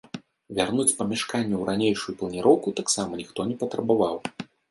Вярнуць памяшканне ў ранейшую планіроўку таксама ніхто не патрабаваў.